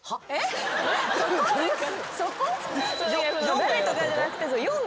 誰とかじゃなくて。